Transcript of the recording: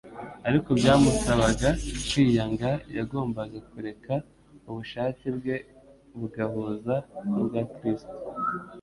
Ariko byamusabaga kwiyanga; yagombaga kureka ubushake bwe bugahuza n'ubwa Kristo.